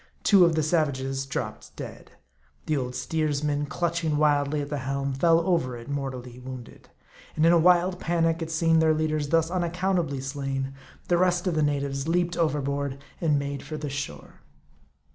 Two of the savages dropped dead. The old steersman, clutching wildly at the helm, fell over it, mortally wounded ; and in a wild panic at seeing their leaders thus unaccountably slain, the rest of the natives leaped overboard and made for the shore.